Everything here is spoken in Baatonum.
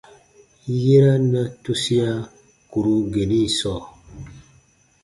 Yera na tusia kùro geni sɔɔ.